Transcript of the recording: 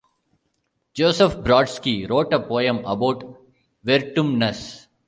Joseph Brodsky wrote a poem about Vertumnus.